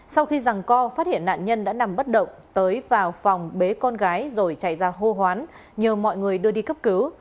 sau khi rẳng co phát hiện nạn nhân đã nằm bất động tới vào phòng bế con gái rồi chạy ra hô hoán nhờ mọi người đưa đi cấp cứu